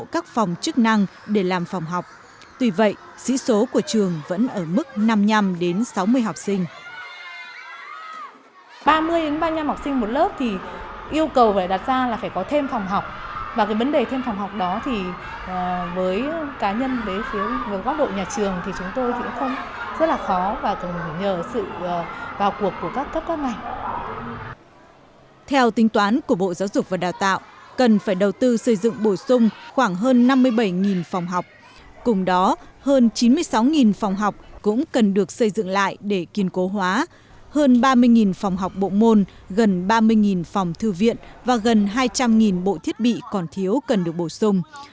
cùng đó hơn chín mươi sáu phòng học cũng cần được xây dựng lại để kiên cố hóa hơn ba mươi phòng học bộ môn gần ba mươi phòng thư viện và gần hai trăm linh bộ thiết bị còn thiếu cần được bổ sung